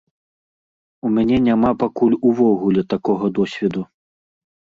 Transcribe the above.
У мяне няма пакуль увогуле такога досведу.